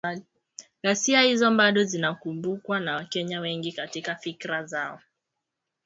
Ghasia hizo bado zinakumbukwa na Wakenya wengi katika fikra zao.